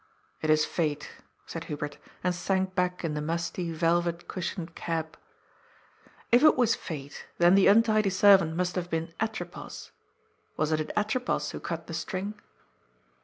" It is fate," said Hubert, and sank back in the musty, velvet cushioned cab. If it was fate, then the untidy servant must have been Atropos — wasn't it Atropos who cut the string